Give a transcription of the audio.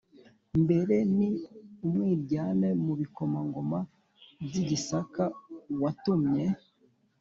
mbere ni umwiryane mu bikomangoma by'i gisaka watumye